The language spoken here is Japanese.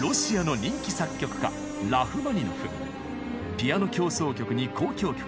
ピアノ協奏曲に交響曲。